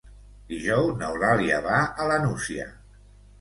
Dijous n'Eulàlia va a la Nucia.